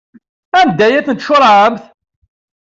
Anda ay tent-tcuṛɛemt?